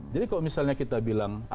jadi kalau misalnya kita bilang